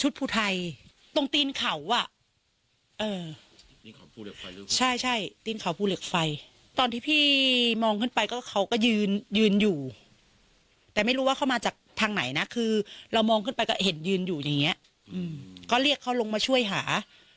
ดินอยู่แต่ไม่รู้ว่าเข้ามาจักทางไหนนะคือเรามองขึ้นไปก็เห็นยืนอยู่อย่างงี้ก็เรียกเขาลงมาช่วยหา